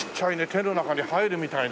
手の中に入るみたいだね。